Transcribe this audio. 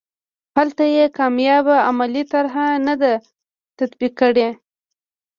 هلته یې کامیابه عملي طرحه نه ده تطبیق کړې.